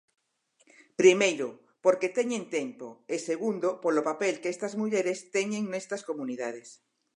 Primeiro, porque teñen tempo, e segundo polo papel que estas mulleres teñen nestas comunidades.